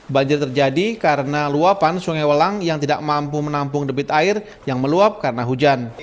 banjir terjadi karena luapan sungai welang yang tidak mampu menampung debit air yang meluap karena hujan